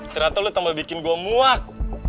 ternyata lo tambah bikin gue muak